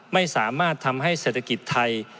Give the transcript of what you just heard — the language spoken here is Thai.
ไม่สามารถทำให้เศรษฐกิจไทย